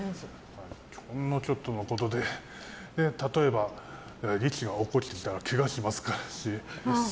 ほんのちょっとのことで例えば、力士が落っこちてきたらけがしますし。